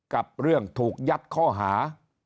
กับเรื่องถูกยัดข้อหา